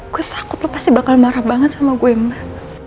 gue takut pasti bakal marah banget sama gue mbak